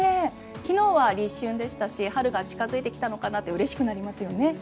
昨日は立春でしたし春が近付いてきたのかなってそうですよね。